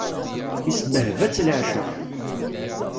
Isbehba-tt leεceq.